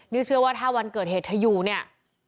นี่เชื่อว่าถ้าวันเกิดเหตุเธออยู่เนี่ย